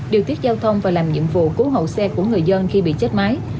điều tiết giao thông và làm nhiệm vụ cứu hậu xe của người dân khi bị chết mái